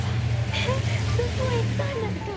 えっどこ行ったんですか？